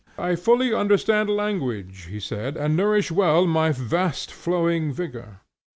"I fully understand language," he said, "and nourish well my vast flowing vigor."